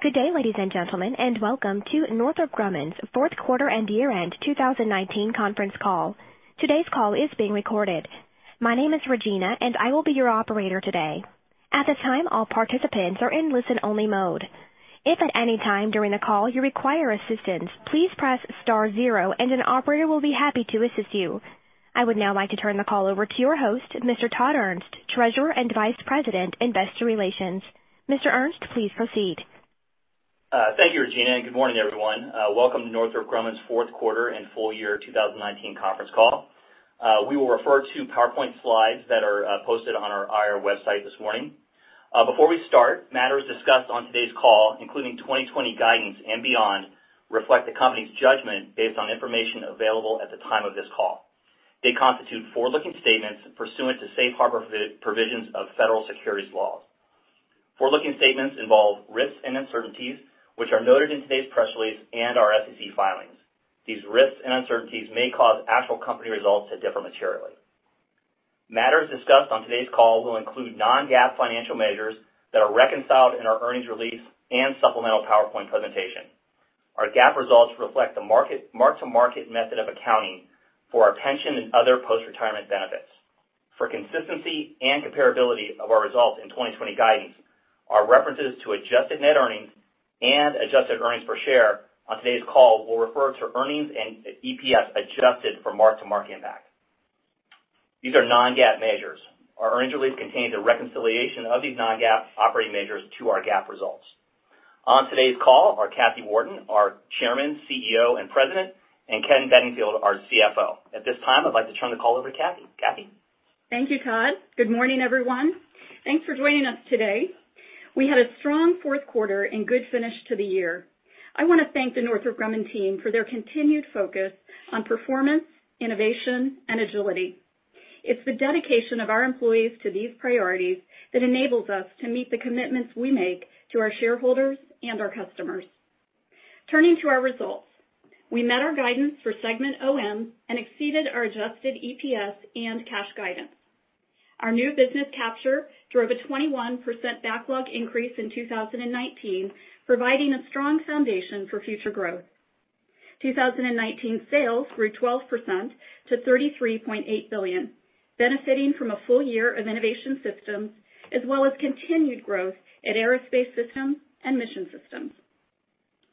Good day, ladies and gentlemen, and welcome to Northrop Grumman's Fourth Quarter and Year-end 2019 Conference Call. Today's call is being recorded. My name is Regina, and I will be your operator today. At this time, all participants are in listen-only mode. If at any time during the call you require assistance, please press star zero and an operator will be happy to assist you. I would now like to turn the call over to your host, Mr. Todd Ernst, Treasurer and Vice President, Investor Relations. Mr. Ernst, please proceed. Thank you, Regina. Good morning, everyone. Welcome to Northrop Grumman's fourth quarter and full year 2019 conference call. We will refer to PowerPoint slides that are posted on our IR website this morning. Before we start, matters discussed on today's call, including 2020 guidance and beyond, reflect the company's judgment based on information available at the time of this call. They constitute forward-looking statements pursuant to safe harbor provisions of federal securities laws. Forward-looking statements involve risks and uncertainties, which are noted in today's press release and our SEC filings. These risks and uncertainties may cause actual company results to differ materially. Matters discussed on today's call will include non-GAAP financial measures that are reconciled in our earnings release and supplemental PowerPoint presentation. Our GAAP results reflect the mark-to-market method of accounting for our pension and other post-retirement benefits. For consistency and comparability of our results in 2020 guidance, our references to adjusted net earnings and adjusted EPS on today's call will refer to earnings and EPS adjusted for mark-to-market impact. These are non-GAAP measures. Our earnings release contains a reconciliation of these non-GAAP operating measures to our GAAP results. On today's call are Kathy Warden, our Chairman, CEO, and President, and Ken Bedingfield, our CFO. At this time, I'd like to turn the call over to Kathy. Kathy? Thank you, Todd. Good morning, everyone. Thanks for joining us today. We had a strong fourth quarter and good finish to the year. I want to thank the Northrop Grumman team for their continued focus on performance, innovation, and agility. It's the dedication of our employees to these priorities that enables us to meet the commitments we make to our shareholders and our customers. Turning to our results. We met our guidance for segment OM and exceeded our adjusted EPS and cash guidance. Our new business capture drove a 21% backlog increase in 2019, providing a strong foundation for future growth. 2019 sales grew 12% to $33.8 billion, benefiting from a full year of Innovation Systems as well as continued growth at Aerospace Systems and Mission Systems.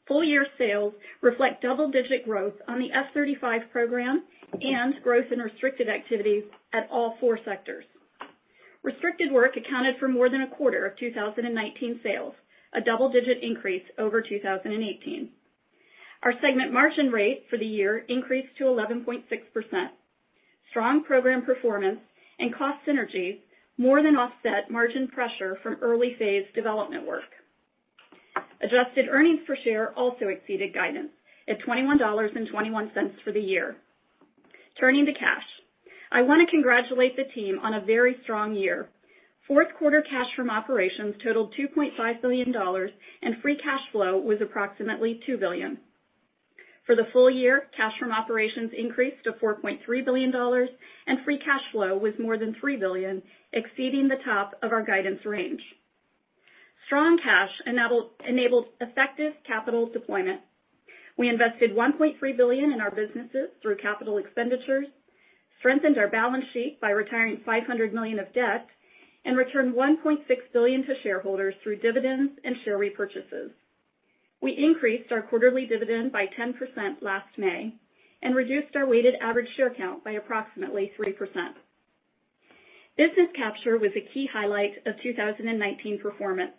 Full-year sales reflect double-digit growth on the F-35 program and growth in restricted activities at all four sectors. Restricted work accounted for more than a quarter of 2019 sales, a double-digit increase over 2018. Our segment margin rate for the year increased to 11.6%. Strong program performance and cost synergies more than offset margin pressure from early phase development work. Adjusted earnings per share also exceeded guidance at $21.21 for the year. Turning to cash. I want to congratulate the team on a very strong year. Fourth quarter cash from operations totaled $2.5 billion, and free cash flow was approximately $2 billion. For the full year, cash from operations increased to $4.3 billion, and free cash flow was more than $3 billion, exceeding the top of our guidance range. Strong cash enabled effective capital deployment. We invested $1.3 billion in our businesses through capital expenditures, strengthened our balance sheet by retiring $500 million of debt, and returned $1.6 billion to shareholders through dividends and share repurchases. We increased our quarterly dividend by 10% last May and reduced our weighted average share count by approximately 3%. Business capture was a key highlight of 2019 performance.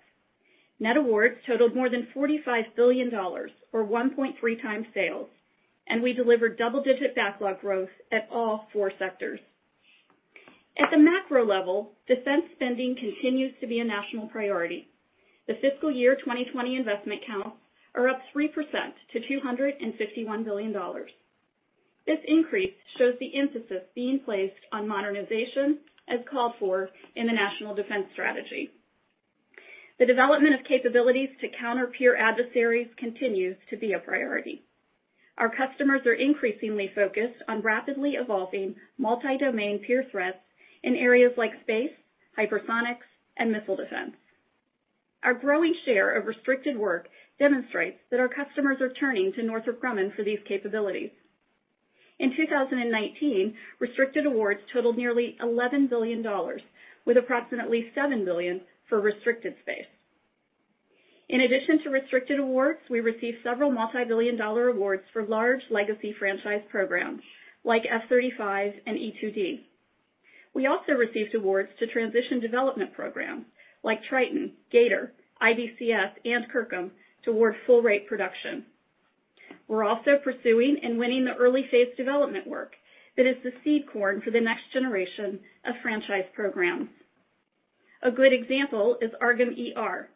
Net awards totaled more than $45 billion, or 1.3x sales, and we delivered double-digit backlog growth at all four sectors. At the macro level, defense spending continues to be a national priority. The fiscal year 2020 investment counts are up 3% to $251 billion. This increase shows the emphasis being placed on modernization as called for in the National Defense Strategy. The development of capabilities to counter peer adversaries continues to be a priority. Our customers are increasingly focused on rapidly evolving multi-domain peer threats in areas like space, hypersonics, and missile defense. Our growing share of restricted work demonstrates that our customers are turning to Northrop Grumman for these capabilities. In 2019, restricted awards totaled nearly $11 billion, with approximately $7 billion for restricted space. In addition to restricted awards, we received several multi-billion dollar awards for large legacy franchise programs like F-35 and E-2D. We also received awards to transition development programs like Triton, G/ATOR, IBCS, and CIRCM toward full rate production. We're also pursuing and winning the early phase development work that is the seed corn for the next generation of franchise programs. A good example is AARGM-ER,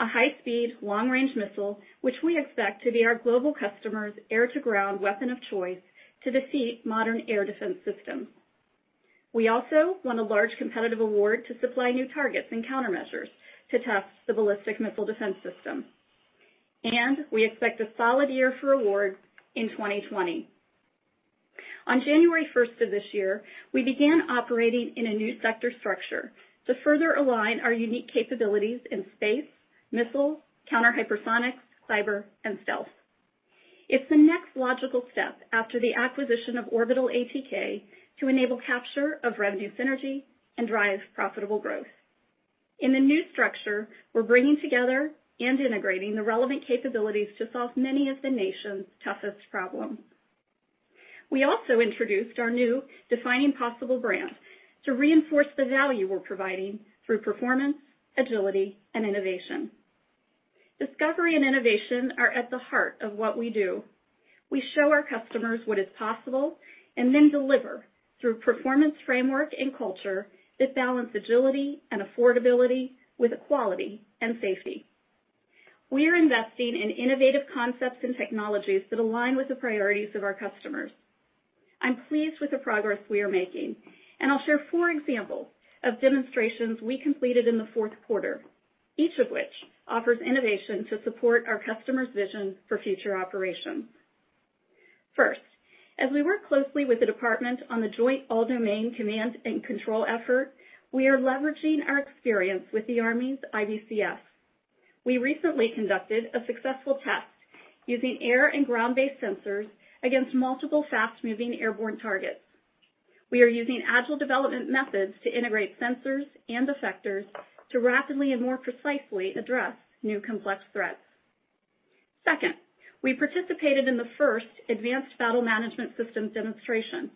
a high-speed, long-range missile, which we expect to be our global customers' air-to-ground weapon of choice to defeat modern air defense systems. We also won a large competitive award to supply new targets and countermeasures to test the Ballistic Missile Defense System. We expect a solid year for awards in 2020. On January 1st of this year, we began operating in a new sector structure to further align our unique capabilities in space, missile, counter hypersonics, cyber, and stealth. It's the next logical step after the acquisition of Orbital ATK to enable capture of revenue synergy and drive profitable growth. In the new structure, we're bringing together and integrating the relevant capabilities to solve many of the nation's toughest problems. We also introduced our new Defining Possible brand to reinforce the value we're providing through performance, agility, and innovation. Discovery and innovation are at the heart of what we do. We show our customers what is possible and then deliver through performance framework and culture that balance agility and affordability with quality and safety. We are investing in innovative concepts and technologies that align with the priorities of our customers. I'm pleased with the progress we are making, and I'll share four examples of demonstrations we completed in the fourth quarter, each of which offers innovation to support our customers' vision for future operations. First, as we work closely with the department on the Joint All-Domain Command and Control effort, we are leveraging our experience with the Army's IBCS. We recently conducted a successful test using air and ground-based sensors against multiple fast-moving airborne targets. We are using agile development methods to integrate sensors and effectors to rapidly and more precisely address new complex threats. Second, we participated in the first Advanced Battle Management System demonstration,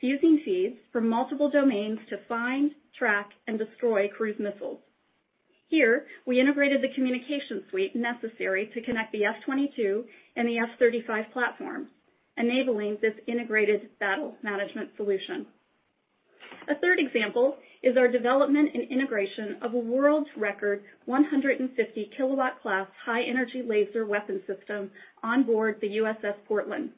fusing feeds from multiple domains to find, track, and destroy cruise missiles. Here, we integrated the communication suite necessary to connect the F-22 and the F-35 platforms, enabling this Integrated Battle Command System. A third example is our development and integration of a world's record 150-kilowatt class high-energy laser weapon system on board the USS Portland.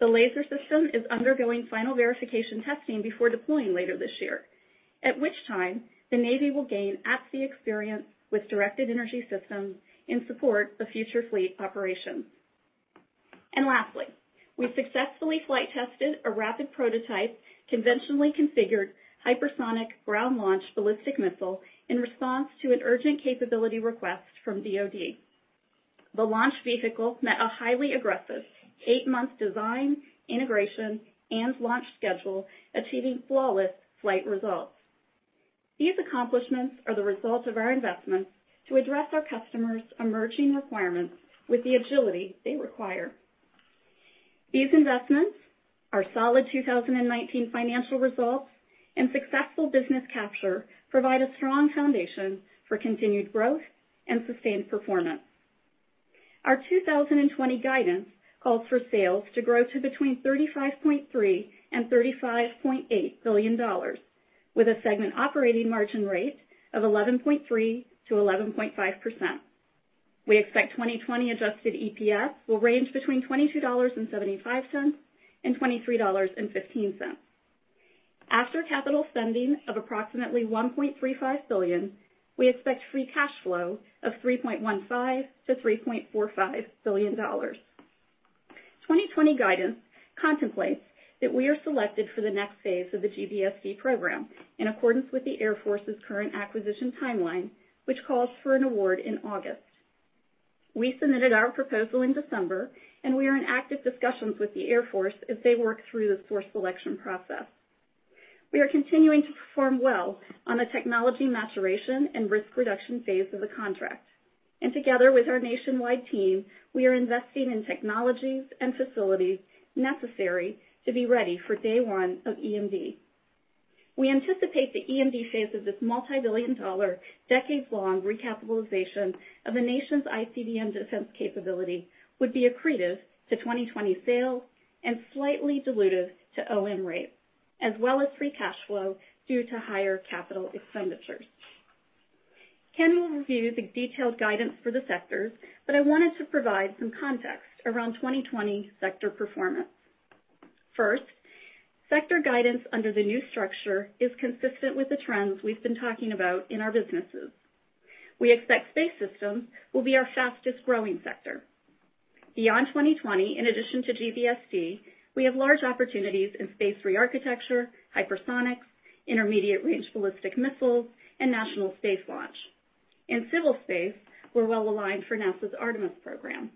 The laser system is undergoing final verification testing before deploying later this year, at which time the Navy will gain at-sea experience with directed energy systems in support of future fleet operations. Lastly, we successfully flight tested a rapid prototype conventionally configured hypersonic ground-launched ballistic missile in response to an urgent capability request from DoD. The launch vehicle met a highly aggressive eight-month design, integration, and launch schedule, achieving flawless flight results. These accomplishments are the result of our investments to address our customers' emerging requirements with the agility they require. These investments, our solid 2019 financial results, and successful business capture provide a strong foundation for continued growth and sustained performance. Our 2020 guidance calls for sales to grow to between $35.3 billion and $35.8 billion, with a segment operating margin rate of 11.3%-11.5%. We expect 2020 adjusted EPS will range between $22.75 and $23.15. After capital spending of approximately $1.35 billion, we expect free cash flow of $3.15 billion-$3.45 billion. 2020 guidance contemplates that we are selected for the next phase of the GBSD program in accordance with the U.S. Air Force's current acquisition timeline, which calls for an award in August. We submitted our proposal in December, and we are in active discussions with the U.S. Air Force as they work through the source selection process. We are continuing to perform well on the technology maturation and risk reduction phase of the contract, and together with our nationwide team, we are investing in technologies and facilities necessary to be ready for day one of EMD. We anticipate the EMD phase of this multi-billion-dollar, decades-long recapitalization of the nation's ICBM defense capability would be accretive to 2020 sales and slightly dilutive to OM rates, as well as free cash flow due to higher capital expenditures. Ken will review the detailed guidance for the sectors. I wanted to provide some context around 2020 sector performance. First, sector guidance under the new structure is consistent with the trends we've been talking about in our businesses. We expect Space Systems will be our fastest-growing sector. Beyond 2020, in addition to GBSD, we have large opportunities in space re-architecture, hypersonics, intermediate-range ballistic missiles, and national space launch. In civil space, we're well-aligned for NASA's Artemis program.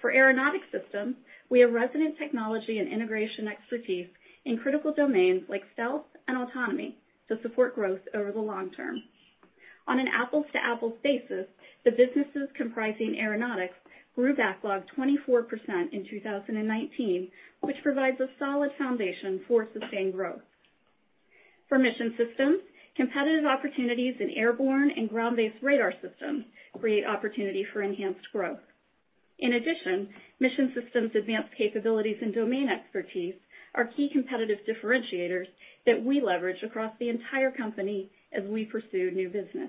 For Aeronautics Systems, we have resonant technology and integration expertise in critical domains like stealth and autonomy to support growth over the long term. On an apples-to-apples basis, the businesses comprising Aeronautics grew backlog 24% in 2019, which provides a solid foundation for sustained growth. For Mission Systems, competitive opportunities in airborne and ground-based radar systems create opportunity for enhanced growth. In addition, Mission Systems' advanced capabilities and domain expertise are key competitive differentiators that we leverage across the entire company as we pursue new business.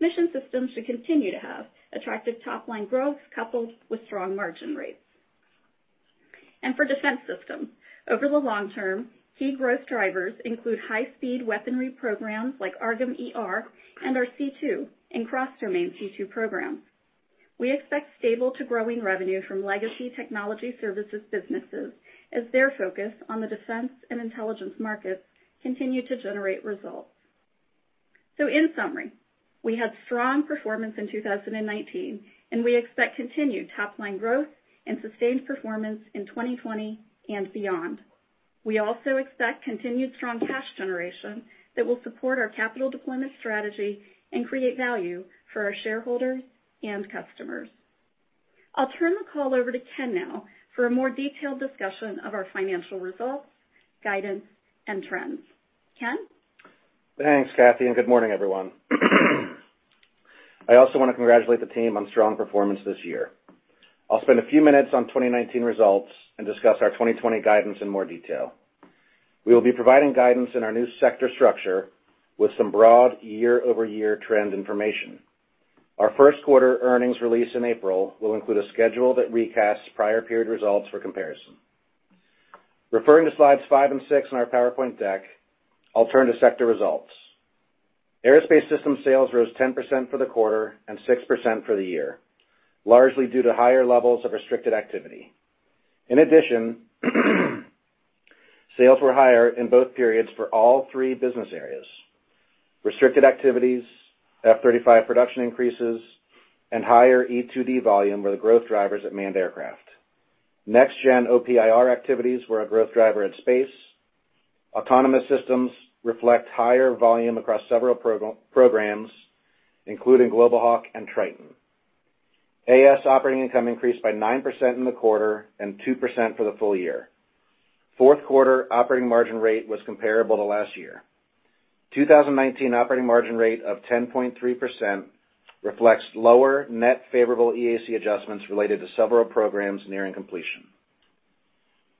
Mission Systems should continue to have attractive top-line growth coupled with strong margin rates. For Defense Systems, over the long term, key growth drivers include high-speed weaponry programs like AARGM-ER and our C2 and cross-domain C2 programs. We expect stable to growing revenue from legacy Technology Services businesses as their focus on the defense and intelligence markets continue to generate results. In summary, we had strong performance in 2019, and we expect continued top-line growth and sustained performance in 2020 and beyond. We also expect continued strong cash generation that will support our capital deployment strategy and create value for our shareholders and customers. I'll turn the call over to Ken now for a more detailed discussion of our financial results, guidance, and trends. Ken? Thanks, Kathy, and good morning, everyone. I also want to congratulate the team on strong performance this year. I'll spend a few minutes on 2019 results and discuss our 2020 guidance in more detail. We will be providing guidance in our new sector structure with some broad year-over-year trend information. Our first quarter earnings release in April will include a schedule that recasts prior period results for comparison. Referring to slides five and six in our PowerPoint deck, I'll turn to sector results. Aerospace Systems sales rose 10% for the quarter and 6% for the year, largely due to higher levels of restricted activity. In addition, sales were higher in both periods for all three business areas. Restricted activities, F-35 production increases, and higher E-2D volume were the growth drivers at manned aircraft. NextGen OPIR activities were a growth driver at space. Autonomous Systems reflect higher volume across several programs, including Global Hawk and Triton. Aeronautics Systems operating income increased by 9% in the quarter and 2% for the full year. Fourth quarter operating margin rate was comparable to last year. 2019 operating margin rate of 10.3% reflects lower net favorable EAC adjustments related to several programs nearing completion.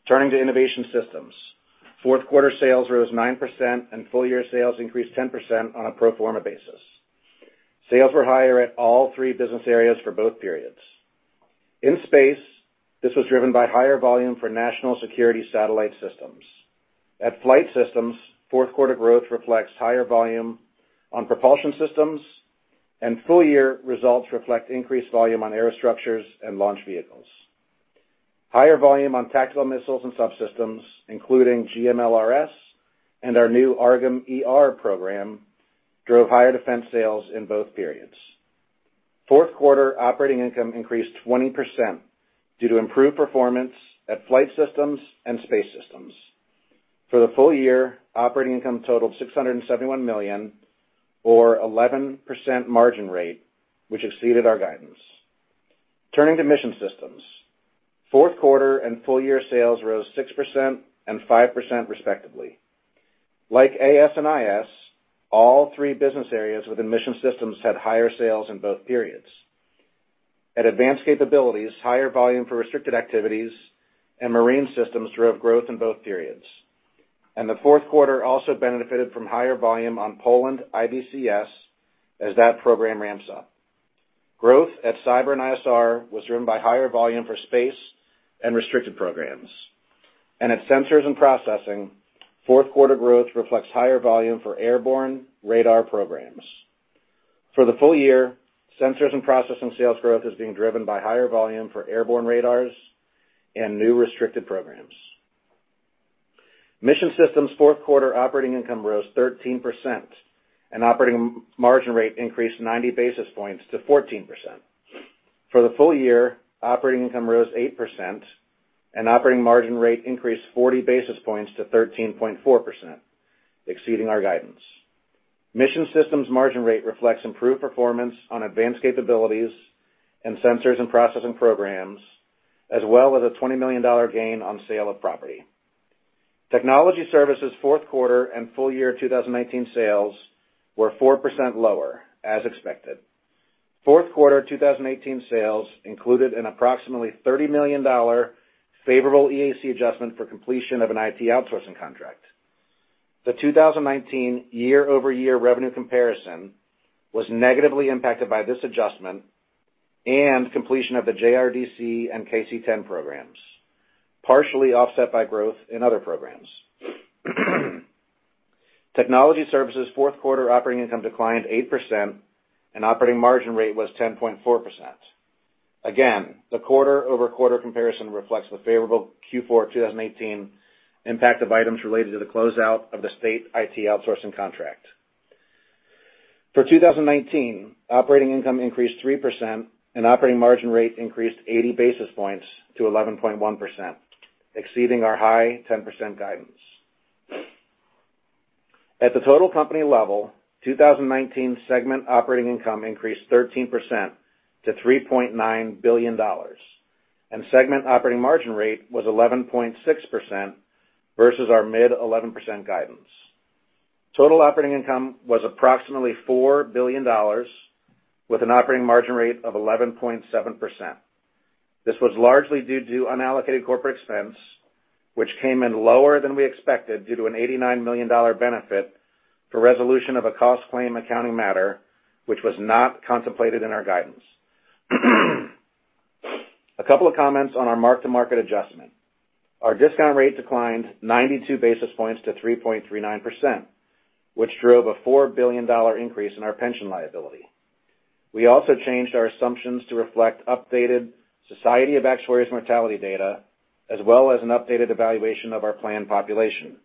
Turning to Innovation Systems. Fourth quarter sales rose 9%, and full-year sales increased 10% on a pro forma basis. Sales were higher at all three business areas for both periods. In Space, this was driven by higher volume for national security satellite systems. At flight systems, fourth quarter growth reflects higher volume on propulsion systems, and full year results reflect increased volume on aerostructures and launch vehicles. Higher volume on tactical missiles and subsystems, including GMLRS and our new AARGM-ER program, drove higher Defense sales in both periods. Fourth quarter operating income increased 20% due to improved performance at flight systems and Space Systems. For the full year, operating income totaled $671 million or 11% margin rate, which exceeded our guidance. Turning to Mission Systems. Fourth quarter and full year sales rose 6% and 5% respectively. Like AS and IS, all three business areas within Mission Systems had higher sales in both periods. At advanced capabilities, higher volume for restricted activities and marine systems drove growth in both periods. The fourth quarter also benefited from higher volume on Poland IBCS as that program ramps up. Growth at cyber and ISR was driven by higher volume for space and restricted programs. At sensors and processing, fourth quarter growth reflects higher volume for airborne radar programs. For the full year, sensors and processing sales growth is being driven by higher volume for airborne radars and new restricted programs. Mission Systems' fourth quarter operating income rose 13%, and operating margin rate increased 90 basis points to 14%. For the full year, operating income rose 8%, and operating margin rate increased 40 basis points to 13.4%, exceeding our guidance. Mission Systems' margin rate reflects improved performance on advanced capabilities and sensors and processing programs, as well as a $20 million gain on sale of property. Technology Services' fourth quarter and full year 2019 sales were 4% lower, as expected. Fourth quarter 2018 sales included an approximately $30 million favorable EAC adjustment for completion of an IT outsourcing contract. The 2019 year-over-year revenue comparison was negatively impacted by this adjustment and completion of the JRDC and KC-10 programs, partially offset by growth in other programs. Technology Services' fourth quarter operating income declined 8%, and operating margin rate was 10.4%. The quarter-over-quarter comparison reflects the favorable Q4 2018 impact of items related to the closeout of the state IT outsourcing contract. For 2019, operating income increased 3%, and operating margin rate increased 80 basis points to 11.1%, exceeding our high 10% guidance. At the total company level, 2019 segment operating income increased 13% to $3.9 billion, and segment operating margin rate was 11.6% versus our mid-11% guidance. Total operating income was approximately $4 billion with an operating margin rate of 11.7%. This was largely due to unallocated corporate expense, which came in lower than we expected due to an $89 million benefit for resolution of a cost claim accounting matter, which was not contemplated in our guidance. A couple of comments on our mark-to-market adjustment. Our discount rate declined 92 basis points to 3.39%, which drove a $4 billion increase in our pension liability. We also changed our assumptions to reflect updated Society of Actuaries mortality data, as well as an updated evaluation of our plan population.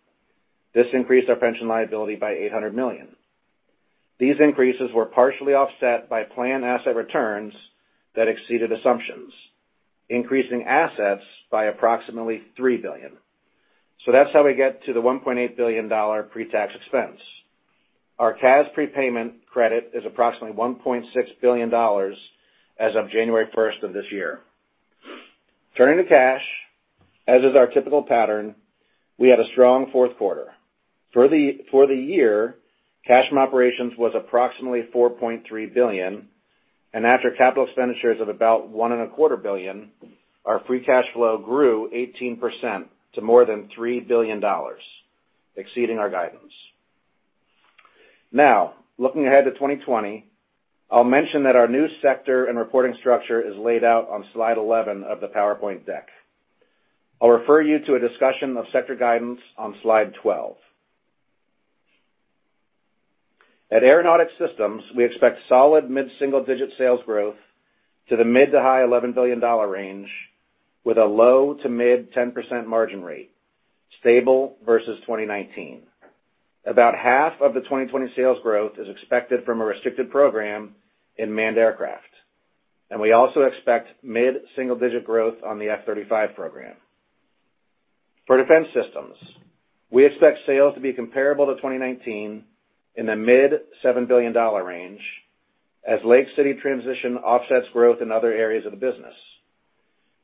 This increased our pension liability by $800 million. These increases were partially offset by plan asset returns that exceeded assumptions, increasing assets by approximately $3 billion. That's how we get to the $1.8 billion pre-tax expense. Our CAS prepayment credit is approximately $1.6 billion as of January 1st of this year. Turning to cash, as is our typical pattern, we had a strong fourth quarter. For the year, cash from operations was approximately $4.3 billion, and after capital expenditures of about $1.25 billion, our free cash flow grew 18% to more than $3 billion, exceeding our guidance. Now, looking ahead to 2020, I'll mention that our new sector and reporting structure is laid out on slide 11 of the PowerPoint deck. I'll refer you to a discussion of sector guidance on slide 12. At Aeronautics Systems, we expect solid mid-single-digit sales growth to the mid to high $11 billion range with a low to mid 10% margin rate, stable versus 2019. About half of the 2020 sales growth is expected from a restricted program in manned aircraft, and we also expect mid-single-digit growth on the F-35 program. For Defense Systems, we expect sales to be comparable to 2019 in the mid $7 billion range as Lake City transition offsets growth in other areas of the business.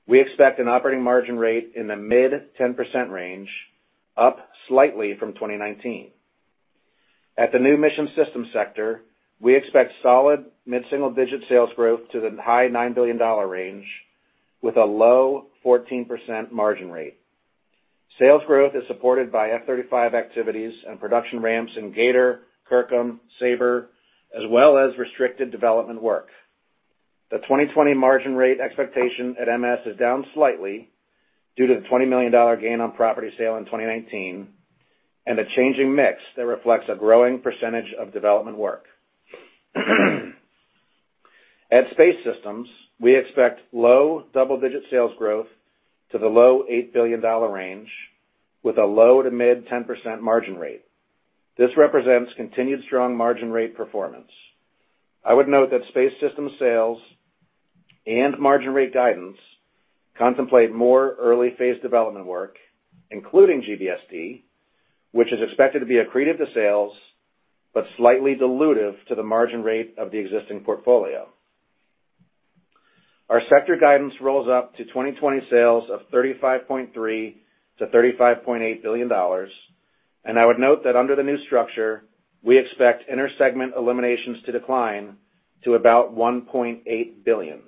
We expect an operating margin rate in the mid 10% range, up slightly from 2019. At the new Mission Systems sector, we expect solid mid-single-digit sales growth to the high $9 billion range with a low 14% margin rate. Sales growth is supported by F-35 activities and production ramps in G/ATOR, CIRCM, SABR, as well as restricted development work. The 2020 margin rate expectation at MS is down slightly due to the $20 million gain on property sale in 2019 and a changing mix that reflects a growing percentage of development work. At Space Systems, we expect low double-digit sales growth to the low $8 billion range with a low to mid 10% margin rate. This represents continued strong margin rate performance. I would note that Space Systems sales and margin rate guidance contemplate more early phase development work, including GBSD, which is expected to be accretive to sales, but slightly dilutive to the margin rate of the existing portfolio. Our sector guidance rolls up to 2020 sales of $35.3 billion-$35.8 billion, and I would note that under the new structure, we expect intersegment eliminations to decline to about $1.8 billion.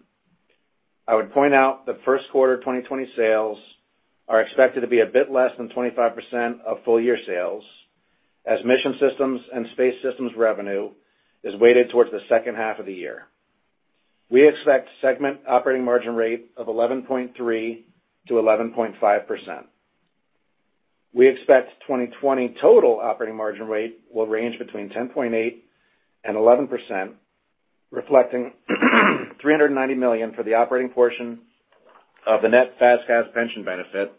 I would point out that first quarter 2020 sales are expected to be a bit less than 25% of full year sales as Mission Systems and Space Systems revenue is weighted towards the second half of the year. We expect segment operating margin rate of 11.3%-11.5%. We expect 2020 total operating margin rate will range between 10.8% and 11%, reflecting $390 million for the operating portion of the net FAS/CAS pension benefit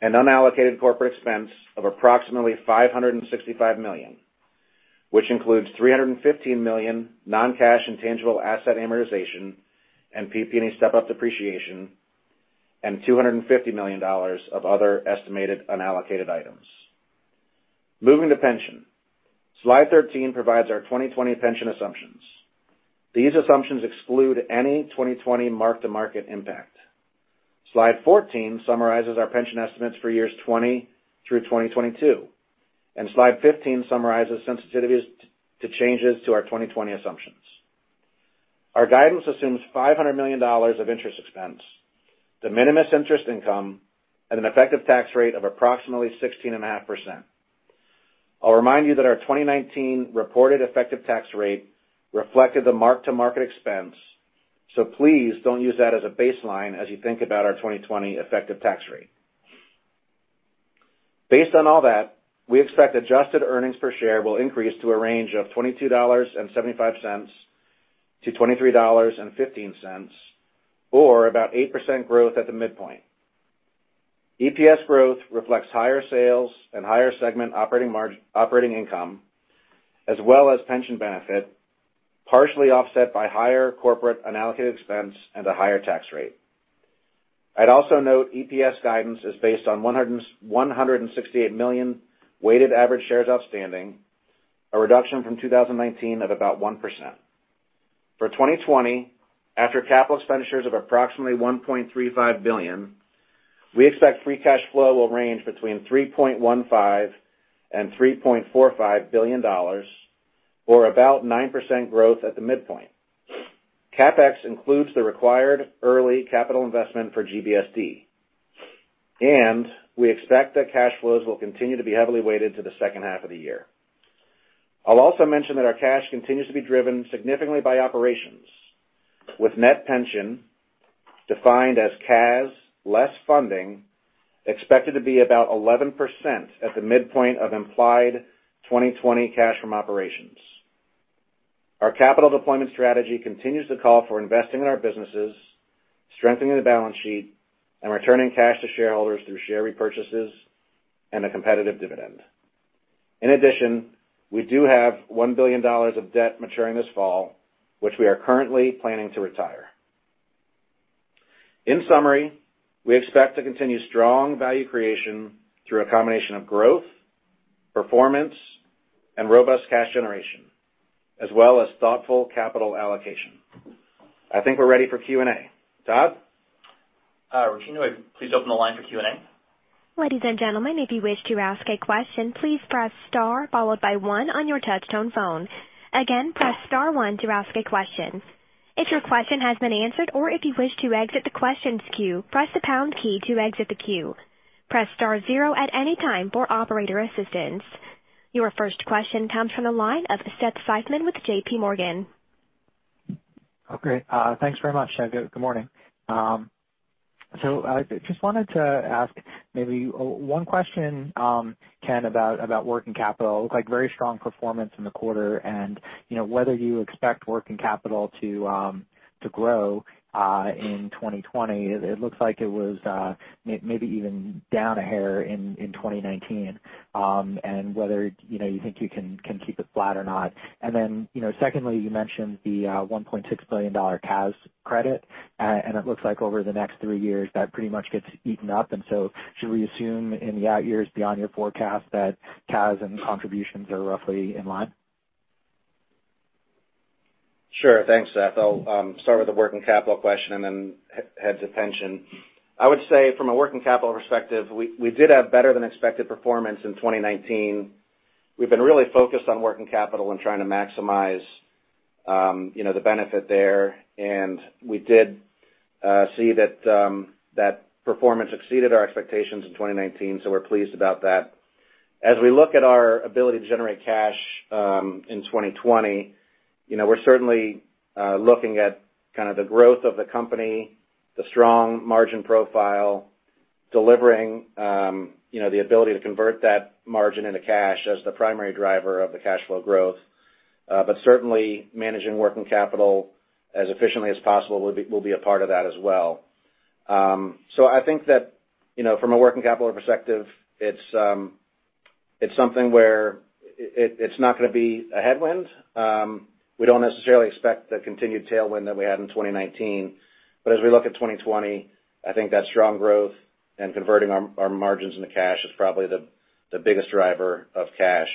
and unallocated corporate expense of approximately $565 million, which includes $315 million non-cash intangible asset amortization and PP&E step-up depreciation, and $250 million of other estimated unallocated items. Moving to pension, slide 13 provides our 2020 pension assumptions. These assumptions exclude any 2020 mark-to-market impact. Slide 14 summarizes our pension estimates for years 2020 through 2022, and slide 15 summarizes sensitivities to changes to our 2020 assumptions. Our guidance assumes $500 million of interest expense, de minimis interest income, and an effective tax rate of approximately 16.5%. I'll remind you that our 2019 reported effective tax rate reflected the mark-to-market expense, so please don't use that as a baseline as you think about our 2020 effective tax rate. Based on all that, we expect adjusted earnings per share will increase to a range of $22.75-$23.15, or about 8% growth at the midpoint. EPS growth reflects higher sales and higher segment operating income, as well as pension benefit, partially offset by higher corporate unallocated expense and a higher tax rate. I'd also note EPS guidance is based on 168 million weighted average shares outstanding, a reduction from 2019 of about 1%. For 2020, after capital expenditures of approximately $1.35 billion, we expect free cash flow will range between $3.15 billion and $3.45 billion, or about 9% growth at the midpoint. CapEx includes the required early capital investment for GBSD. We expect that cash flows will continue to be heavily weighted to the second half of the year. I'll also mention that our cash continues to be driven significantly by operations, with net pension, defined as CAS less funding, expected to be about 11% at the midpoint of implied 2020 cash from operations. Our capital deployment strategy continues to call for investing in our businesses, strengthening the balance sheet, and returning cash to shareholders through share repurchases and a competitive dividend. We do have $1 billion of debt maturing this fall, which we are currently planning to retire. We expect to continue strong value creation through a combination of growth, performance, and robust cash generation, as well as thoughtful capital allocation. I think we're ready for Q&A. Todd? Regina, please open the line for Q&A. Ladies and gentlemen, if you wish to ask a question, please press star followed by one on your touch tone phone. Again, press star one to ask a question. If your question has been answered, or if you wish to exit the questions queue, press the pound key to exit the queue. Press star zero at any time for operator assistance. Your first question comes from the line of Seth Seifman with JPMorgan. Okay, thanks very much. Good morning. I just wanted to ask maybe one question, Ken, about working capital. It looked like very strong performance in the quarter, whether you expect working capital to grow in 2020. It looks like it was maybe even down a hair in 2019, whether you think you can keep it flat or not. Secondly, you mentioned the $1.6 billion CAS credit, it looks like over the next three years, that pretty much gets eaten up. Should we assume in the out years beyond your forecast that CAS and contributions are roughly in line? Sure. Thanks, Seth. I'll start with the working capital question and then head to pension. I would say from a working capital perspective, we did have better than expected performance in 2019. We've been really focused on working capital and trying to maximize the benefit there. We did see that that performance exceeded our expectations in 2019, so we're pleased about that. As we look at our ability to generate cash in 2020, we're certainly looking at kind of the growth of the company, the strong margin profile, delivering the ability to convert that margin into cash as the primary driver of the cash flow growth. Certainly, managing working capital as efficiently as possible will be a part of that as well. I think that from a working capital perspective, it's something where it's not going to be a headwind. We don't necessarily expect the continued tailwind that we had in 2019. As we look at 2020, I think that strong growth and converting our margins into cash is probably the biggest driver of cash.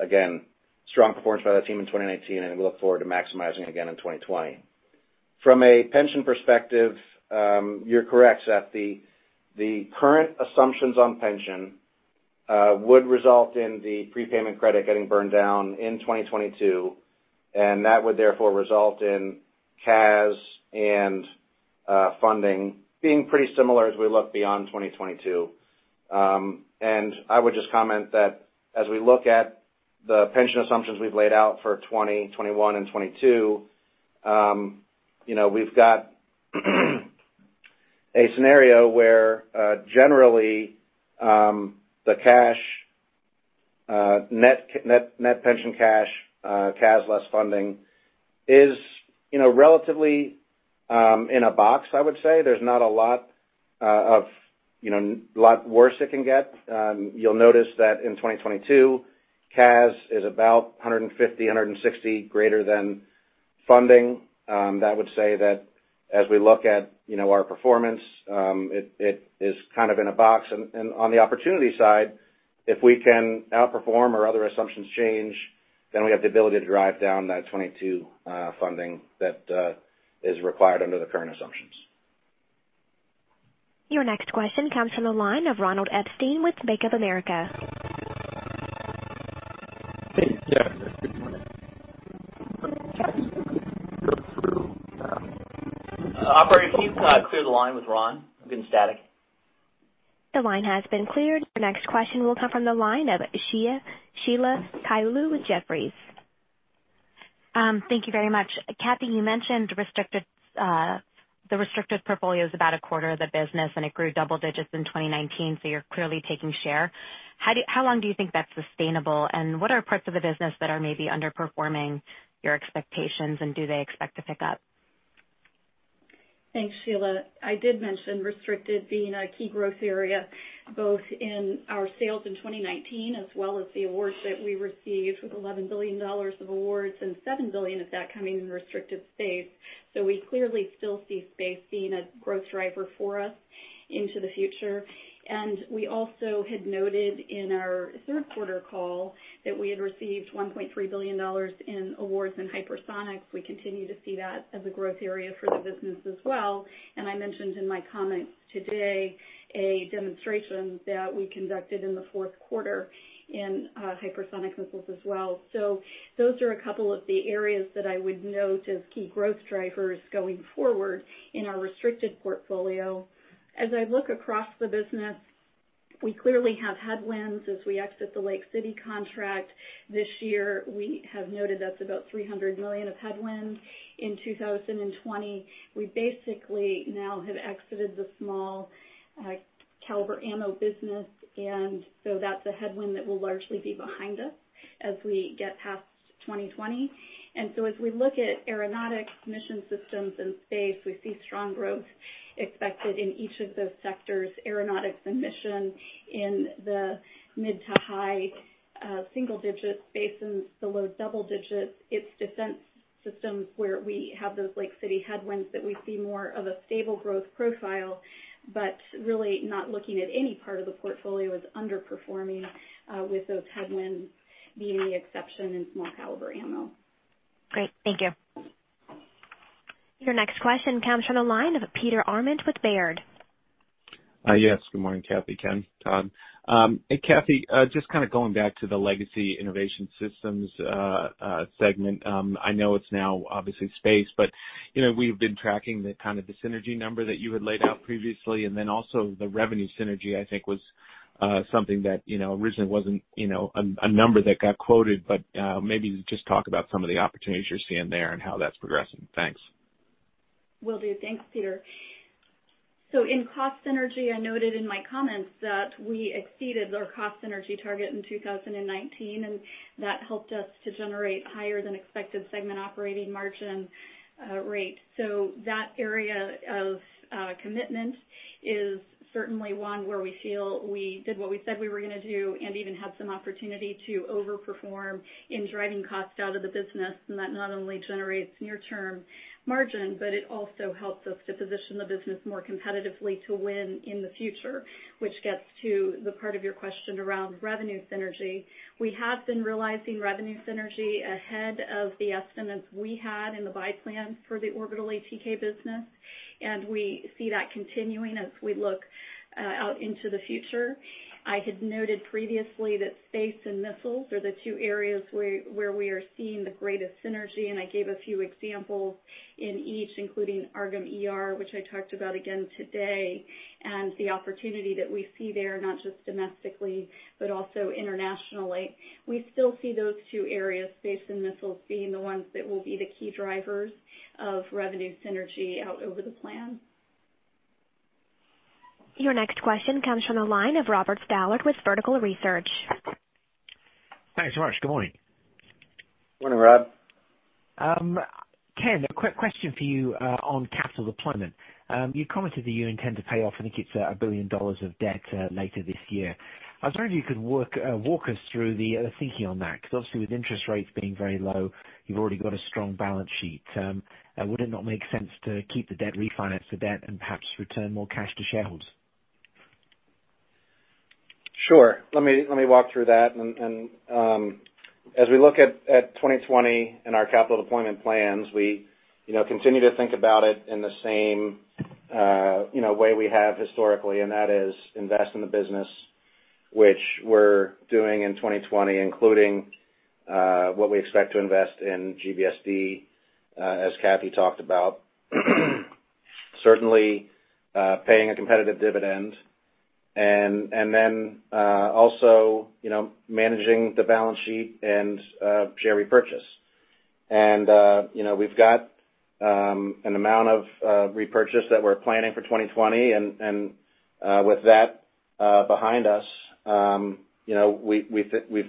Again, strong performance by that team in 2019, and we look forward to maximizing again in 2020. From a pension perspective, you're correct, Seth. The current assumptions on pension would result in the prepayment credit getting burned down in 2022, and that would therefore result in CAS and funding being pretty similar as we look beyond 2022. I would just comment that as we look at the pension assumptions we've laid out for 2020, 2021, and 2022, we've got a scenario where, generally, the net pension cash, CAS less funding is relatively in a box, I would say. There's not a lot worse it can get. You'll notice that in 2022, CAS is about $150, $160 greater than funding. That would say that as we look at our performance, it is kind of in a box. On the opportunity side, if we can outperform or other assumptions change, then we have the ability to drive down that 2022 funding that is required under the current assumptions. Your next question comes from the line of Ronald Epstein with Bank of America. Hey, Ken. Good morning. Operator, can you please clear the line with Ron? I'm getting static. The line has been cleared. The next question will come from the line of Sheila Kahyaoglu with Jefferies. Thank you very much. Kathy, you mentioned the restricted portfolio is about a quarter of the business, and it grew double digits in 2019. You're clearly taking share. How long do you think that's sustainable, and what are parts of the business that are maybe underperforming your expectations, and do they expect to pick up? Thanks, Sheila. I did mention restricted being a key growth area, both in our sales in 2019 as well as the awards that we received, with $11 billion of awards and $7 billion of that coming in the restricted space. We clearly still see space being a growth driver for us into the future. We also had noted in our third quarter call that we had received $1.3 billion in awards in hypersonics. We continue to see that as a growth area for the business as well. I mentioned in my comments today a demonstration that we conducted in the fourth quarter in hypersonic missiles as well. Those are a couple of the areas that I would note as key growth drivers going forward in our restricted portfolio. As I look across the business, we clearly have headwinds as we exit the Lake City contract this year. We have noted that's about $300 million of headwinds in 2020. We basically now have exited the small caliber ammo business, that's a headwind that will largely be behind us as we get past 2020. As we look at Aeronautics, Mission Systems, and Space Systems, we see strong growth expected in each of those sectors, Aeronautics and Mission Systems in the mid to high single digits, Space Systems in the low double digits. It's Defense Systems where we have those Lake City headwinds that we see more of a stable growth profile, but really not looking at any part of the portfolio as underperforming, with those headwinds being the exception in small caliber ammo. Great. Thank you. Your next question comes from the line of Peter Arment with Baird. Yes. Good morning, Kathy, Ken, Todd. Hey, Kathy, just kind of going back to the legacy Innovation Systems segment. I know it's now obviously Space Systems. We've been tracking the kind of the synergy number that you had laid out previously, and then also the revenue synergy, I think was something that originally wasn't a number that got quoted. Maybe just talk about some of the opportunities you're seeing there and how that's progressing. Thanks. Will do. Thanks, Peter. In cost synergy, I noted in my comments that we exceeded our cost synergy target in 2019, and that helped us to generate higher than expected segment operating margin rate. That area of commitment is certainly one where we feel we did what we said we were going to do and even had some opportunity to overperform in driving costs out of the business. That not only generates near term margin, but it also helps us to position the business more competitively to win in the future, which gets to the part of your question around revenue synergy. We have been realizing revenue synergy ahead of the estimates we had in the buy plans for the Orbital ATK business, and we see that continuing as we look out into the future. I had noted previously that space and missiles are the two areas where we are seeing the greatest synergy, and I gave a few examples in each, including AARGM-ER, which I talked about again today, and the opportunity that we see there, not just domestically, but also internationally. We still see those two areas, space and missiles, being the ones that will be the key drivers of revenue synergy out over the plan. Your next question comes from the line of Robert Stallard with Vertical Research. Thanks so much. Good morning. Morning, Rob. Ken, a quick question for you on capital deployment. You commented that you intend to pay off, I think it's $1 billion of debt later this year. I was wondering if you could walk us through the thinking on that, because obviously with interest rates being very low, you've already got a strong balance sheet. Would it not make sense to keep the debt, refinance the debt, and perhaps return more cash to shareholders? Sure. Let me walk through that. As we look at 2020 and our capital deployment plans, we continue to think about it in the same way we have historically, and that is invest in the business, which we're doing in 2020, including what we expect to invest in GBSD, as Kathy talked about. Certainly, paying a competitive dividend and then also managing the balance sheet and share repurchase. We've got an amount of repurchase that we're planning for 2020, and with that behind us, we've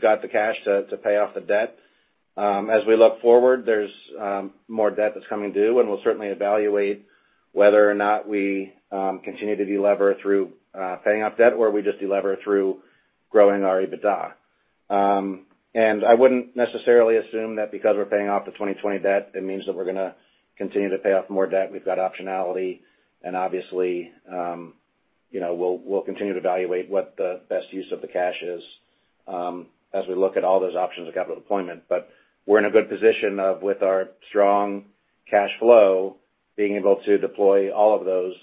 got the cash to pay off the debt. As we look forward, there's more debt that's coming due, and we'll certainly evaluate whether or not we continue to delever through paying off debt or we just delever through growing our EBITDA. I wouldn't necessarily assume that because we're paying off the 2020 debt, it means that we're going to continue to pay off more debt. We've got optionality, and obviously, we'll continue to evaluate what the best use of the cash is as we look at all those options of capital deployment. We're in a good position with our strong cash flow, being able to deploy all of those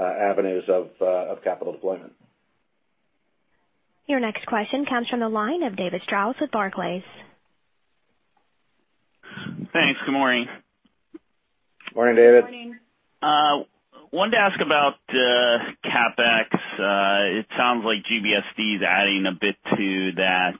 avenues of capital deployment. Your next question comes from the line of David Strauss with Barclays. Thanks. Good morning. Morning, David. Morning. Wanted to ask about CapEx. It sounds like GBSD is adding a bit to that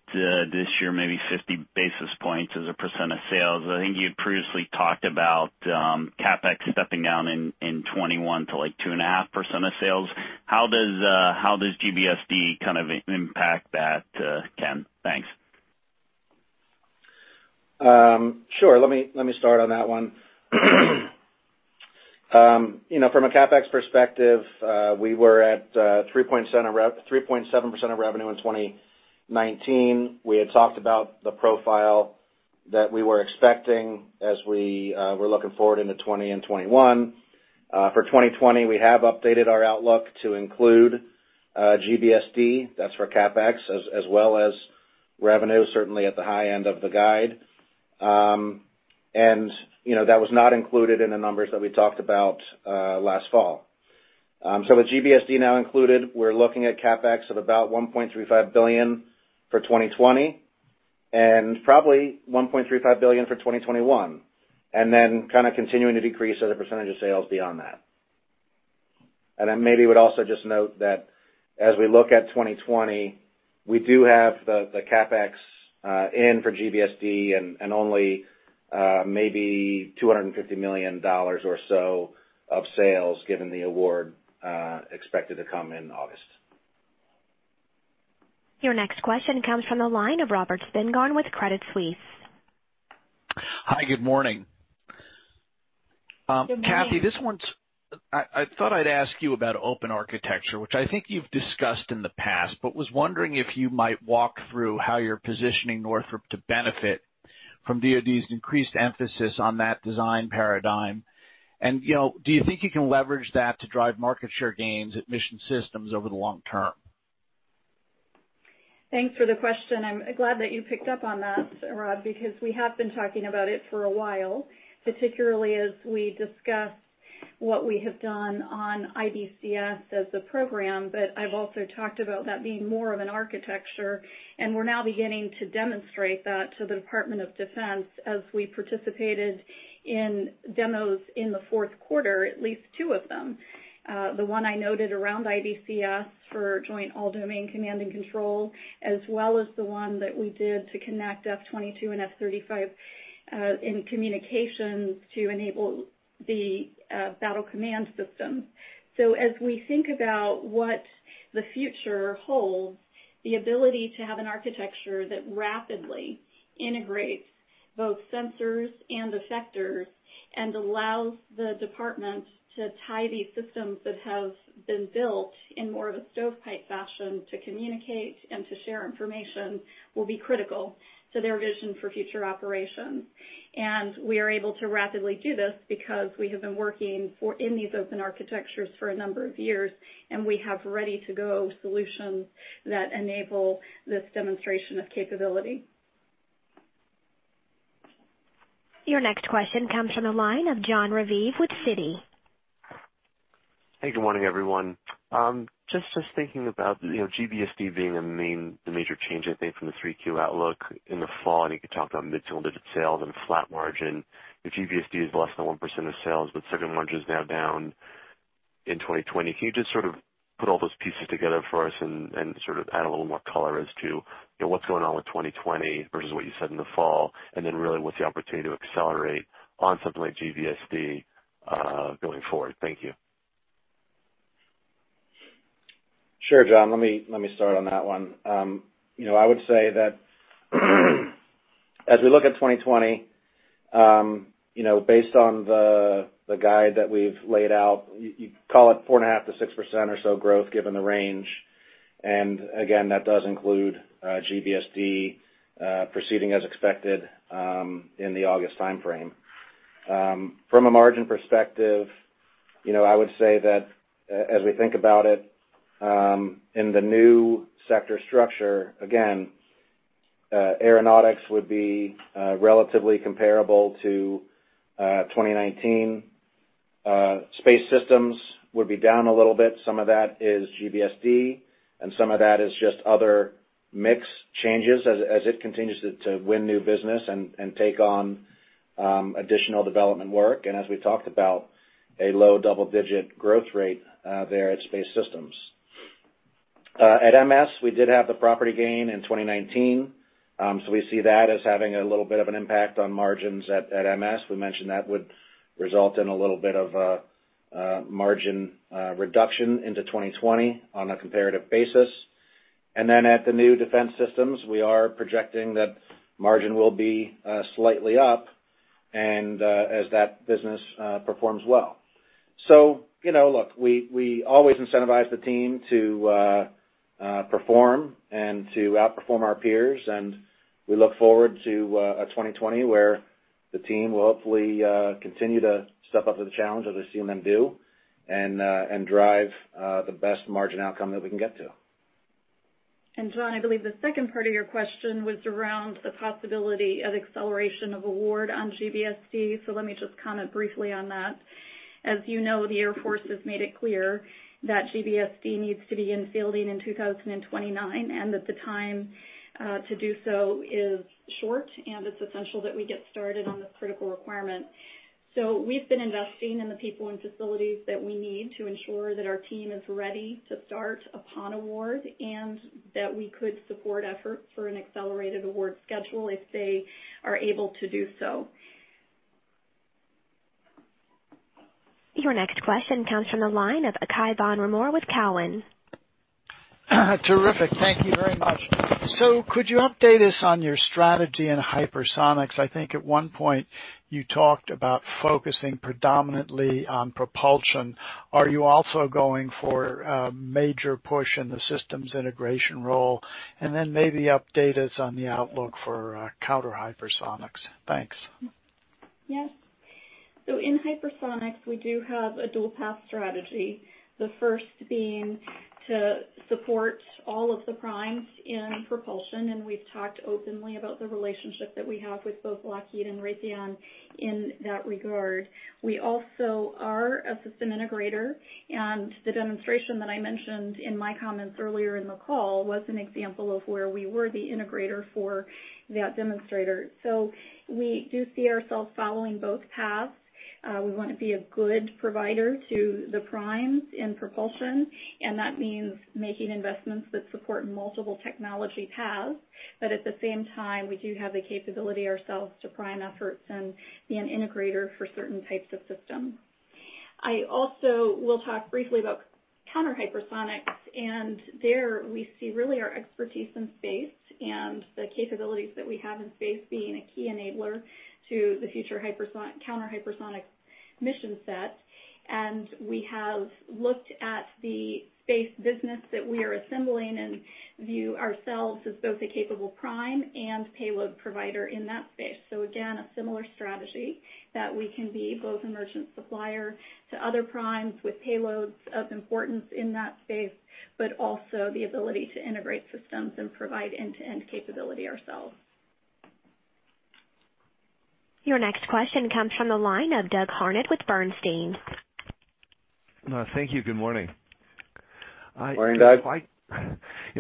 this year, maybe 50 basis points as a percent of sales. I think you had previously talked about CapEx stepping down in 2021 to like 2.5% of sales. How does GBSD kind of impact that, Ken? Thanks. Sure. Let me start on that one. From a CapEx perspective, we were at 3.7% of revenue in 2019. We had talked about the profile that we were expecting as we were looking forward into 2020 and 2021. For 2020, we have updated our outlook to include GBSD, that's for CapEx, as well as revenue, certainly at the high end of the guide. That was not included in the numbers that we talked about last fall. With GBSD now included, we're looking at CapEx of about $1.35 billion for 2020 and probably $1.35 billion for 2021. Then kind of continuing to decrease as a percentage of sales beyond that. I maybe would also just note that as we look at 2020, we do have the CapEx in for GBSD and only maybe $250 million or so of sales, given the award expected to come in August. Your next question comes from the line of Robert Spingarn with Credit Suisse. Hi, good morning. Good morning. Kathy, I thought I'd ask you about open architecture, which I think you've discussed in the past, but was wondering if you might walk through how you're positioning Northrop to benefit from DoD's increased emphasis on that design paradigm. Do you think you can leverage that to drive market share gains at Mission Systems over the long term? Thanks for the question. I'm glad that you picked up on that, Rob, because we have been talking about it for a while, particularly as we discussed what we have done on IBCS as a program. I've also talked about that being more of an architecture, and we're now beginning to demonstrate that to the Department of Defense as we participated in demos in the fourth quarter, at least two of them. The one I noted around IBCS for Joint All-Domain Command and Control, as well as the one that we did to connect F-22 and F-35 in communications to enable the battle command system. As we think about what the future holds, the ability to have an architecture that rapidly integrates both sensors and effectors and allows the Department to tie these systems that have been built in more of a stovepipe fashion to communicate and to share information will be critical to their vision for future operations. We are able to rapidly do this because we have been working in these open architectures for a number of years, and we have ready-to-go solutions that enable this demonstration of capability. Your next question comes from the line of Jon Raviv with Citi. Hey, good morning, everyone. Just thinking about GBSD being a major change, I think, from the 3Q outlook in the fall. You could talk about mid-single digit sales and a flat margin. If GBSD is less than 1% of sales, with segment margin is now down in 2020, can you just sort of put all those pieces together for us and sort of add a little more color as to what's going on with 2020 versus what you said in the fall? Really what's the opportunity to accelerate on something like GBSD going forward? Thank you. Sure, Jon, let me start on that one. I would say that as we look at 2020, based on the guide that we've laid out, you call it 4.5%-6% or so growth given the range. Again, that does include GBSD proceeding as expected in the August timeframe. From a margin perspective, I would say that as we think about it in the new sector structure, again, Aeronautics would be relatively comparable to 2019. Space Systems would be down a little bit. Some of that is GBSD, and some of that is just other mix changes as it continues to win new business and take on additional development work. As we talked about, a low double-digit growth rate there at Space Systems. At MS, we did have the property gain in 2019. We see that as having a little bit of an impact on margins at MS. We mentioned that would result in a little bit of a margin reduction into 2020 on a comparative basis. At the new Defense Systems, we are projecting that margin will be slightly up and as that business performs well. Look, we always incentivize the team to perform and to outperform our peers, and we look forward to a 2020 where the team will hopefully continue to step up to the challenge as I see them do and drive the best margin outcome that we can get to. Jon, I believe the second part of your question was around the possibility of acceleration of award on GBSD. Let me just comment briefly on that. You know, the Air Force has made it clear that GBSD needs to be in fielding in 2029, and that the time to do so is short, and it's essential that we get started on this critical requirement. We've been investing in the people and facilities that we need to ensure that our team is ready to start upon award, and that we could support efforts for an accelerated award schedule if they are able to do so. Your next question comes from the line of Cai von Rumohr with Cowen. Terrific. Thank you very much. Could you update us on your strategy in hypersonics? I think at one point you talked about focusing predominantly on propulsion. Are you also going for a major push in the systems integration role? Maybe update us on the outlook for counter hypersonics. Thanks. Yes. So in hypersonics, we do have a dual path strategy, the first being to support all of the primes in propulsion, and we've talked openly about the relationship that we have with both Lockheed and Raytheon in that regard. We also are a system integrator, and the demonstration that I mentioned in my comments earlier in the call was an example of where we were the integrator for that demonstrator. We do see ourselves following both paths. We want to be a good provider to the primes in propulsion, and that means making investments that support multiple technology paths. At the same time, we do have the capability ourselves to prime efforts and be an integrator for certain types of systems. I also will talk briefly about counter-hypersonics, and there we see really our expertise in space and the capabilities that we have in space being a key enabler to the future counter-hypersonic mission set. We have looked at the space business that we are assembling and view ourselves as both a capable prime and payload provider in that space. Again, a similar strategy that we can be both a merchant supplier to other primes with payloads of importance in that space, but also the ability to integrate systems and provide end-to-end capability ourselves. Your next question comes from the line of Doug Harned with Bernstein. Thank you. Good morning. Morning, Doug.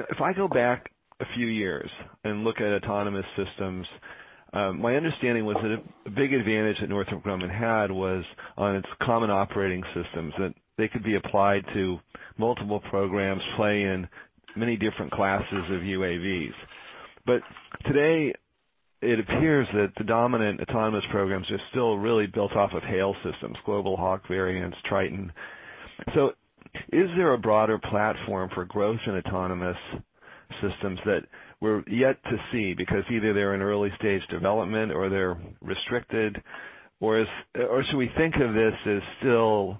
If I go back a few years and look at autonomous systems, my understanding was that a big advantage that Northrop Grumman had was on its common operating systems, that they could be applied to multiple programs, play in many different classes of UAVs. Today, it appears that the dominant autonomous programs are still really built off of HALE systems, Global Hawk variants, Triton. Is there a broader platform for growth in autonomous systems that we're yet to see? Either they're in early stage development or they're restricted. Should we think of this as still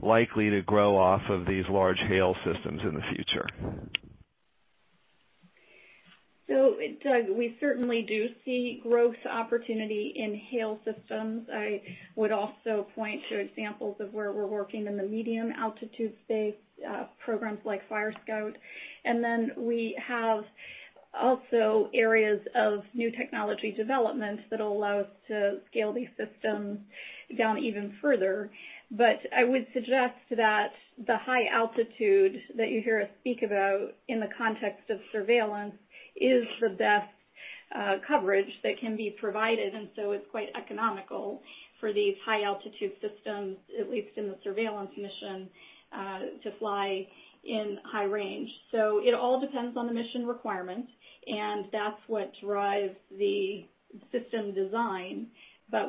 likely to grow off of these large HALE systems in the future? Doug, we certainly do see growth opportunity in HALE systems. I would also point to examples of where we're working in the medium altitude space, programs like Fire Scout. Then we have also areas of new technology development that'll allow us to scale these systems down even further. I would suggest that the high altitude that you hear us speak about in the context of surveillance is the best coverage that can be provided. It's quite economical for these high altitude systems, at least in the surveillance mission, to fly in high range. It all depends on the mission requirements, and that's what drives the system design.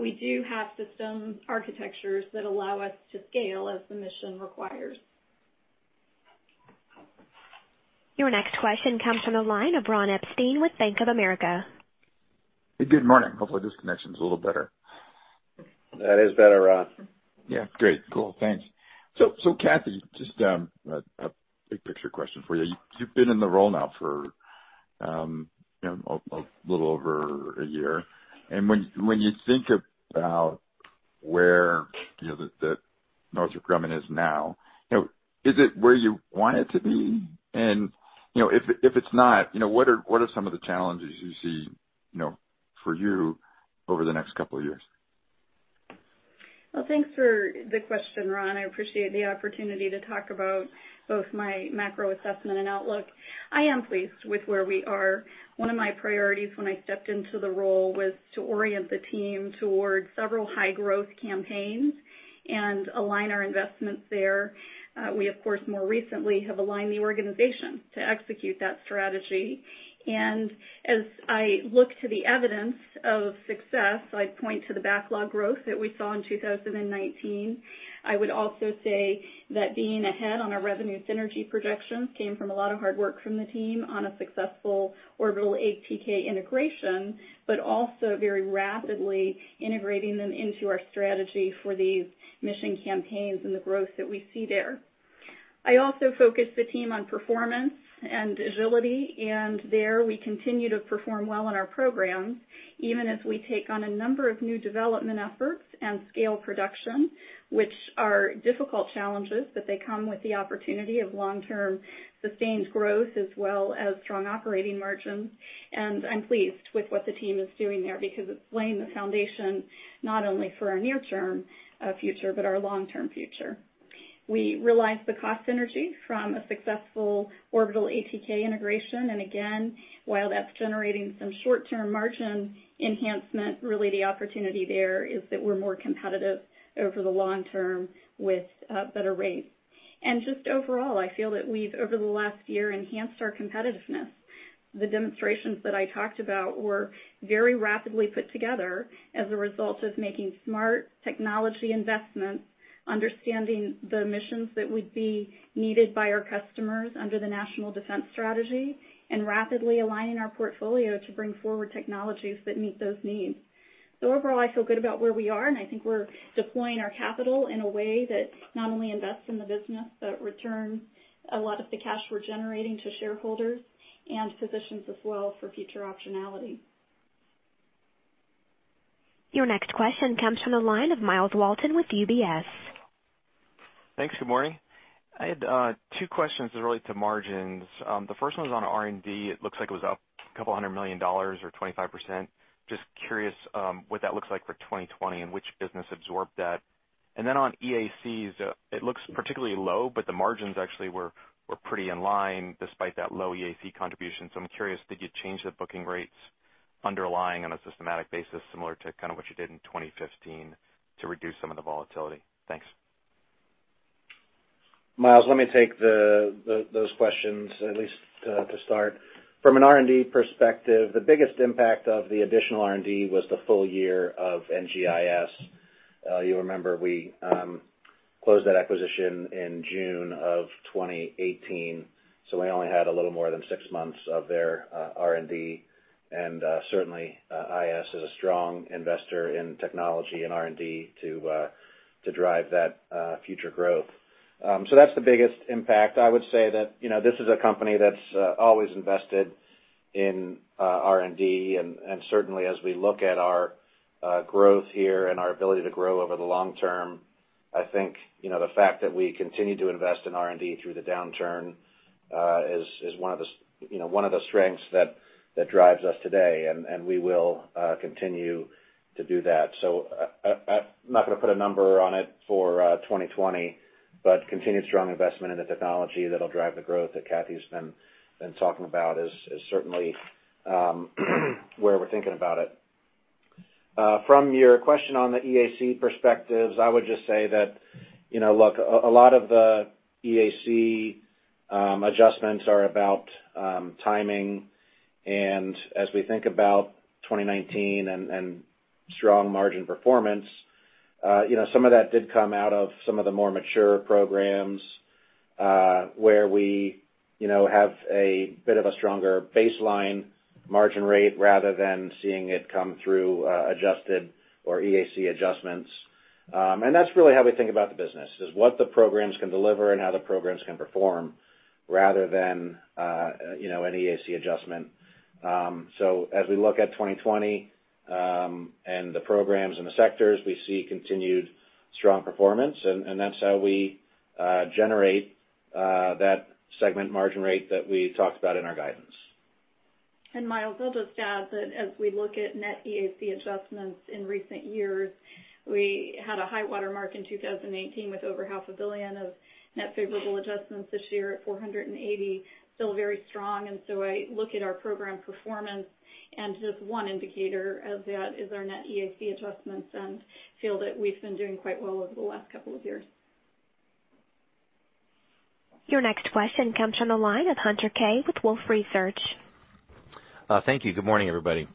We do have system architectures that allow us to scale as the mission requires. Your next question comes from the line of Ron Epstein with Bank of America. Good morning. Hopefully, this connection's a little better. That is better, Ron. Yeah. Great. Cool. Thanks. Kathy, just a big picture question for you. You've been in the role now for a little over a year. When you think about where Northrop Grumman is now, is it where you want it to be? If it's not, what are some of the challenges you see for you over the next couple of years? Thanks for the question, Ron. I appreciate the opportunity to talk about both my macro assessment and outlook. I am pleased with where we are. One of my priorities when I stepped into the role was to orient the team towards several high growth campaigns and align our investments there. As I look to the evidence of success, I point to the backlog growth that we saw in 2019. I would also say that being ahead on our revenue synergy projections came from a lot of hard work from the team on a successful Orbital ATK integration, but also very rapidly integrating them into our strategy for these mission campaigns and the growth that we see there. I also focus the team on performance and agility. There we continue to perform well in our programs, even as we take on a number of new development efforts and scale production, which are difficult challenges, but they come with the opportunity of long-term sustained growth as well as strong operating margins. I'm pleased with what the team is doing there because it's laying the foundation not only for our near-term future but our long-term future. We realized the cost synergy from a successful Orbital ATK integration. Again, while that's generating some short-term margin enhancement, really the opportunity there is that we're more competitive over the long term with better rates. Just overall, I feel that we've, over the last year, enhanced our competitiveness. The demonstrations that I talked about were very rapidly put together as a result of making smart technology investments, understanding the missions that would be needed by our customers under the National Defense Strategy, and rapidly aligning our portfolio to bring forward technologies that meet those needs. Overall, I feel good about where we are, and I think we're deploying our capital in a way that not only invests in the business but returns a lot of the cash we're generating to shareholders and positions us well for future optionality. Your next question comes from the line of Myles Walton with UBS. Thanks. Good morning. I had two questions that relate to margins. The first one is on R&D. It looks like it was up a couple hundred million dollars or 25%. Just curious what that looks like for 2020 and which business absorbed that. On EACs, it looks particularly low, but the margins actually were pretty in line despite that low EAC contribution. I'm curious, did you change the booking rates underlying on a systematic basis, similar to kind of what you did in 2015 to reduce some of the volatility? Thanks. Myles, let me take those questions, at least to start. From an R&D perspective, the biggest impact of the additional R&D was the full year of NGIS. You remember, we closed that acquisition in June of 2018, so we only had a little more than six months of their R&D. Certainly, IS is a strong investor in technology and R&D to drive that future growth. That's the biggest impact. I would say that this is a company that's always invested in R&D, and certainly as we look at our growth here and our ability to grow over the long term, I think, the fact that we continue to invest in R&D through the downturn, is one of the strengths that drives us today. We will continue to do that. I'm not going to put a number on it for 2020, but continued strong investment in the technology that'll drive the growth that Kathy's been talking about is certainly where we're thinking about it. From your question on the EAC perspectives, I would just say that, look, a lot of the EAC adjustments are about timing. As we think about 2019 and strong margin performance, some of that did come out of some of the more mature programs, where we have a bit of a stronger baseline margin rate rather than seeing it come through adjusted or EAC adjustments. That's really how we think about the business, is what the programs can deliver and how the programs can perform rather than an EAC adjustment. As we look at 2020, and the programs and the sectors, we see continued strong performance, and that's how we generate that segment margin rate that we talked about in our guidance. Myles, I'll just add that as we look at net EAC adjustments in recent years, we had a high water mark in 2018 with over half a billion of net favorable adjustments this year at $480 million, still very strong. I look at our program performance, and just one indicator of that is our net EAC adjustments and feel that we've been doing quite well over the last couple of years. Your next question comes from the line of Hunter Keay with Wolfe Research. Thank you. Good morning, everybody.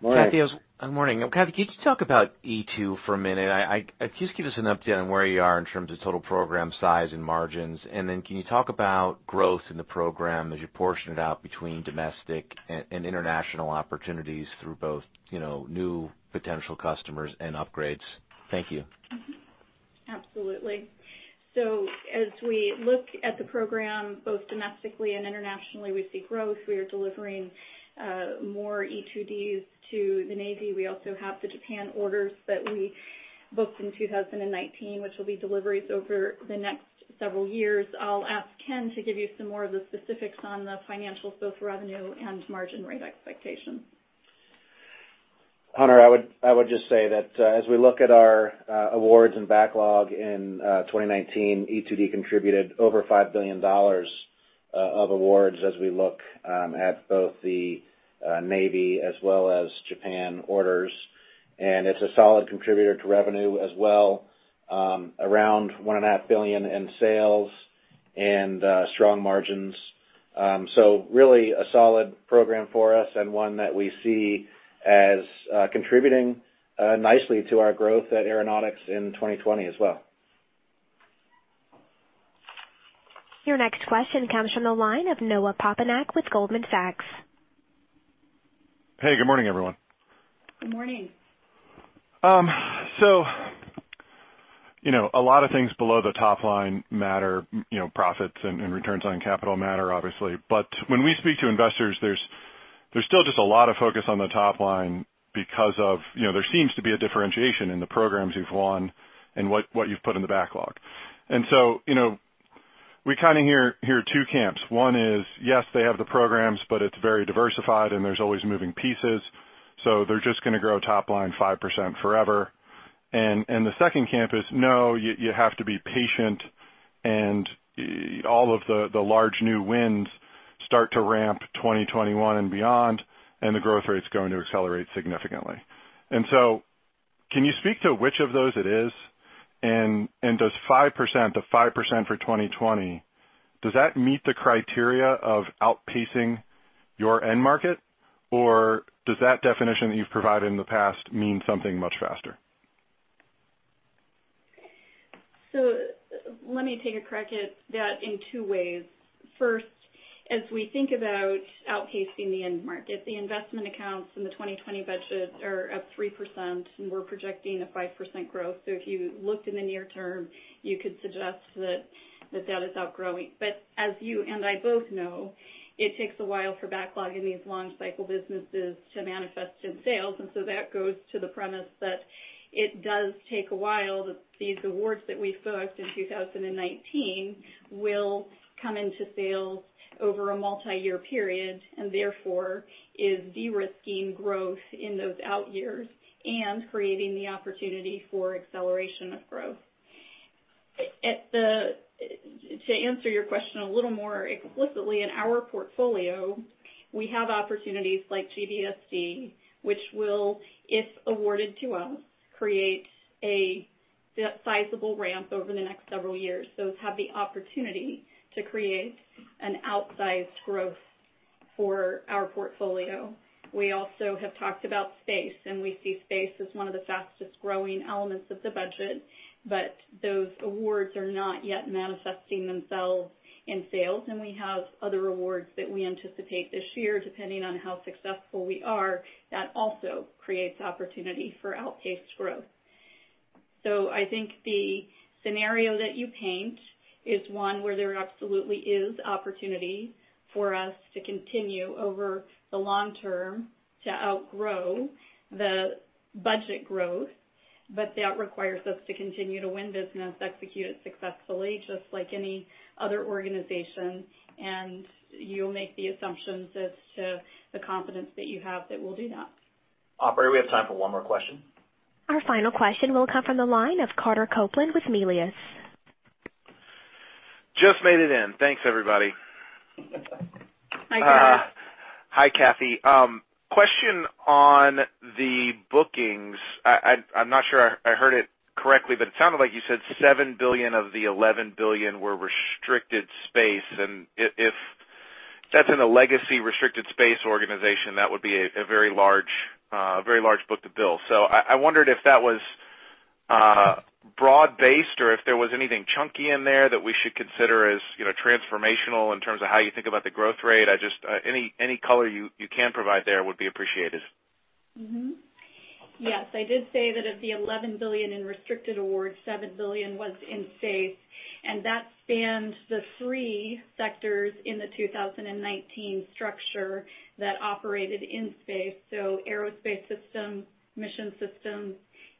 Morning. Good morning. Kathy, could you talk about E-2D for a minute? Just give us an update on where you are in terms of total program size and margins, and then can you talk about growth in the program as you portion it out between domestic and international opportunities through both new potential customers and upgrades? Thank you. Absolutely. As we look at the program, both domestically and internationally, we see growth. We are delivering more E-2Ds to the Navy. We also have the Japan orders that we booked in 2019, which will be deliveries over the next several years. I'll ask Ken to give you some more of the specifics on the financial, both revenue and margin rate expectations. Hunter, I would just say that as we look at our awards and backlog in 2019, E-2D contributed over $5 billion of awards as we look at both the Navy as well as Japan orders. It's a solid contributor to revenue as well, around $1.5 billion in sales and strong margins. Really a solid program for us and one that we see as contributing nicely to our growth at Aeronautics in 2020 as well. Your next question comes from the line of Noah Poponak with Goldman Sachs. Hey, good morning, everyone. Good morning. A lot of things below the top line matter, profits and returns on capital matter, obviously. When we speak to investors, there's still just a lot of focus on the top line because there seems to be a differentiation in the programs you've won and what you've put in the backlog. We kind of hear two camps. One is, yes, they have the programs, but it's very diversified, and there's always moving pieces, so they're just going to grow top line 5% forever. The second camp is, no, you have to be patient, and all of the large new winds start to ramp 2021 and beyond, and the growth rate's going to accelerate significantly. Can you speak to which of those it is? Does 5%, the 5% for 2020, does that meet the criteria of outpacing your end market? Does that definition that you've provided in the past mean something much faster? Let me take a crack at that in two ways. First, as we think about outpacing the end market, the investment accounts in the 2020 budget are up 3%. We're projecting a 5% growth. If you looked in the near term, you could suggest that that is outgrowing. As you and I both know, it takes a while for backlog in these long cycle businesses to manifest in sales. That goes to the premise that it does take a while, that these awards that we booked in 2019 will come into sales over a multi-year period, and therefore is de-risking growth in those out years and creating the opportunity for acceleration of growth. To answer your question a little more explicitly, in our portfolio, we have opportunities like GBSD, which will, if awarded to us, create a sizable ramp over the next several years. Those have the opportunity to create an outsized growth for our portfolio. We also have talked about space, and we see space as one of the fastest-growing elements of the budget. Those awards are not yet manifesting themselves in sales, and we have other awards that we anticipate this year, depending on how successful we are. That also creates opportunity for outpaced growth. I think the scenario that you paint is one where there absolutely is opportunity for us to continue over the long term to outgrow the budget growth. That requires us to continue to win business, execute it successfully, just like any other organization. You'll make the assumptions as to the confidence that you have that we'll do that. Operator, we have time for one more question. Our final question will come from the line of Carter Copeland with Melius. Just made it in. Thanks, everybody. Hi, Carter. Hi, Kathy. Question on the bookings. I'm not sure I heard it correctly, but it sounded like you said $7 billion of the $11 billion were restricted space, and if that's in a legacy restricted space organization, that would be a very large Book-to-Bill. I wondered if that was broad based or if there was anything chunky in there that we should consider as transformational in terms of how you think about the growth rate. Just any color you can provide there would be appreciated. Yes, I did say that of the $11 billion in restricted awards, $7 billion was in space, and that spans the three sectors in the 2019 structure that operated in space. Aerospace Systems, Mission Systems,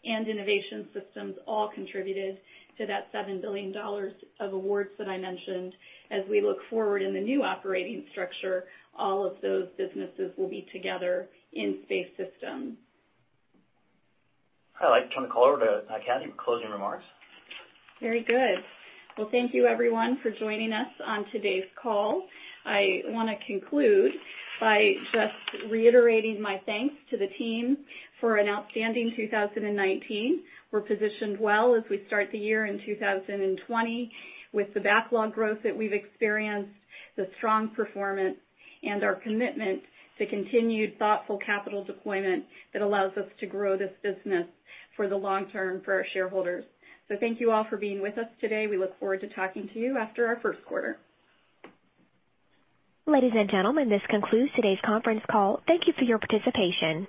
and Innovation Systems all contributed to that $7 billion of awards that I mentioned. As we look forward in the new operating structure, all of those businesses will be together in Space Systems. I'd like to turn the call over to Kathy for closing remarks. Very good. Thank you everyone for joining us on today's call. I want to conclude by just reiterating my thanks to the team for an outstanding 2019. We're positioned well as we start the year in 2020 with the backlog growth that we've experienced, the strong performance, and our commitment to continued thoughtful capital deployment that allows us to grow this business for the long term for our shareholders. Thank you all for being with us today. We look forward to talking to you after our first quarter. Ladies and gentlemen, this concludes today's conference call. Thank you for your participation.